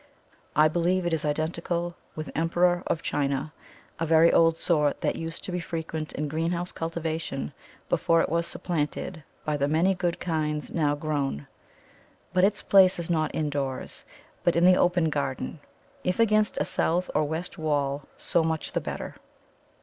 I believe it is identical with Emperor of China, a very old sort that used to be frequent in greenhouse cultivation before it was supplanted by the many good kinds now grown. But its place is not indoors, but in the open garden; if against a south or west wall, so much the better.